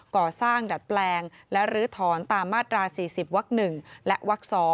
ก่อสร้างดัดแปลงและลื้อถอนตามมาตรา๔๐วัก๑และวัก๒